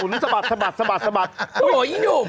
หมุนสะบัดสะบัดงุม